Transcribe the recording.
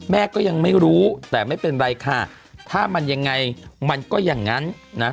แม่ก็ยังไม่รู้แต่ไม่เป็นไรค่ะถ้ามันยังไงมันก็อย่างนั้นนะ